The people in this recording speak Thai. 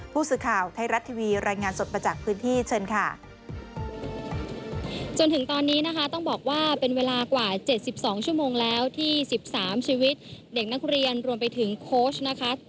พูดสึกข่าวไทยรัฐทีวีรายงานสดประจักษ์พื้นที่เชิญค่ะ